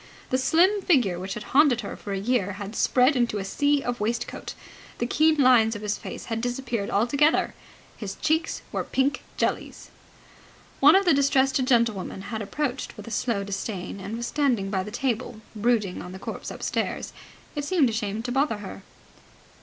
The slim figure which had haunted her for a year had spread into a sea of waistcoat. The keen lines of his face had disappeared altogether. His cheeks were pink jellies. One of the distressed gentlewomen had approached with a slow disdain, and was standing by the table, brooding on the corpse upstairs. It seemed a shame to bother her.